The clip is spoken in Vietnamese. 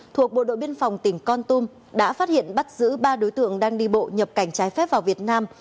thuộc bộ đội biên phòng tỉnh con tum đã phát hiện bắt giữ ba đối tượng đang đi bộ nhập cảnh trái phép vào việt nam